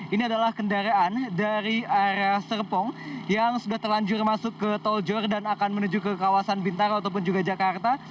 ini adalah kendaraan dari arah serpong yang sudah terlanjur masuk ke tol jor dan akan menuju ke kawasan bintaro ataupun juga jakarta